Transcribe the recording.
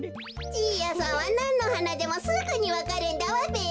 じいやさんはなんのはなでもすぐにわかるんだわべ。